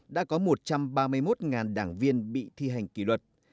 đã có một trăm ba mươi một đảng viên bị thi hành kỷ luật